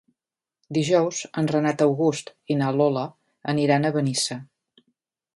Dijous en Renat August i na Lola aniran a Benissa.